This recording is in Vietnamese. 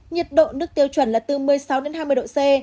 nhiệt độ nước tiêu chuẩn là từ một mươi sáu đến hai mươi độ c